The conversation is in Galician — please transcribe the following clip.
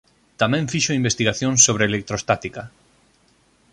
Tamén fixo investigacións sobre electrostática.